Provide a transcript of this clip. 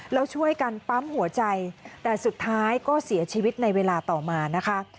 แล้วช่วยกันปั๊มหัวใจแต่สุดท้ายก็เสียชีวิตในเวลาต่อมานะคะ